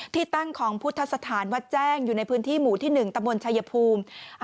ที่ตั้งของพุทธสถานวัดแจ้งอยู่ในพื้นที่หมู่ที่๑ตำบลชายภูมิ